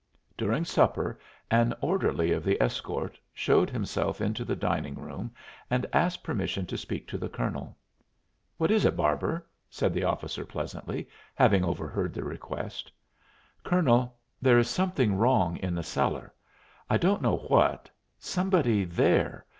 During supper an orderly of the escort showed himself into the dining room and asked permission to speak to the colonel. "What is it, Barbour?" said that officer pleasantly, having overheard the request. "Colonel, there is something wrong in the cellar; I don't know what somebody there.